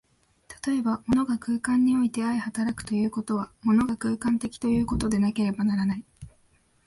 例えば、物が空間において相働くということは、物が空間的ということでなければならない。